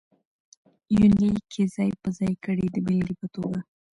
يونليک کې ځاى په ځاى کړي د بېلګې په توګه: